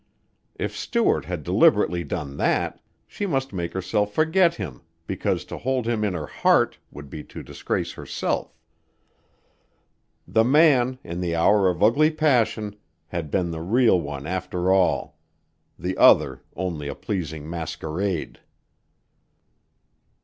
If Stuart had deliberately done that she must make herself forget him because to hold him in her heart would be to disgrace herself. The man, in the hour of ugly passion, had been the real one after all; the other only a pleasing masquerade!